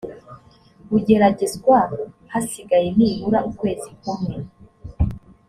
ugeragezwa hasigaye nibura ukwezi kumwe